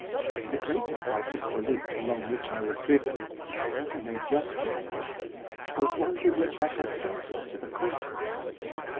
The greater part of the route along which I was driven I know no juster word was one with which I had some sort of acquaintance.